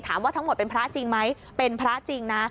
ทั้งหมดเป็นพระจริงไหมเป็นพระจริงนะ